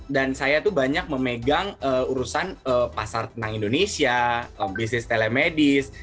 dan saya tuh banyak memegang urusan pasar tentang indonesia bisnis telemedis